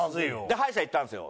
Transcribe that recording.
歯医者行ったんですよ。